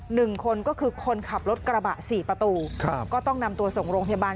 หนึ่งคนก็คือคนขับรถกระบะสี่ประตูครับก็ต้องนำตัวส่งโรงพยาบาล